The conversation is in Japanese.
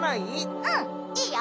うんいいよ。